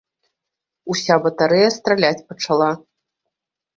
Уся батарэя страляць пачала.